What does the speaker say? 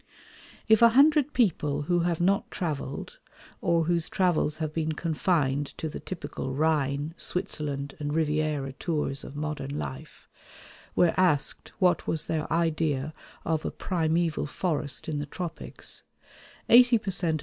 If a hundred people who have not travelled, or whose travels have been confined to the typical Rhine, Switzerland and Riviera tours of modern life, were asked what was their idea of a primeval forest in the tropics, eighty per cent.